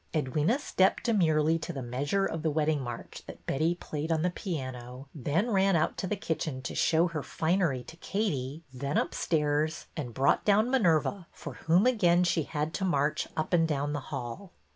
Edwyna stepped demurely to the measure of the wedding march that Betty played on the piano, then ran out to the kitchen to show her finery to Katie, then upstairs, and brought down Minerva, for whom again she had to march up and down the hall.